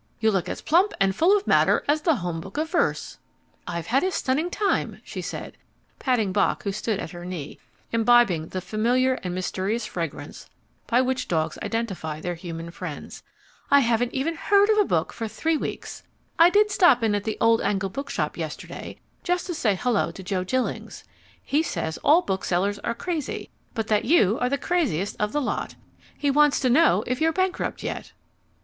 You look as plump and full of matter as The Home Book of Verse." "I've had a stunning time," she said, patting Bock who stood at her knee, imbibing the familiar and mysterious fragrance by which dogs identify their human friends. "I haven't even heard of a book for three weeks. I did stop in at the Old Angle Book Shop yesterday, just to say hullo to Joe Jillings. He says all booksellers are crazy, but that you are the craziest of the lot. He wants to know if you're bankrupt yet."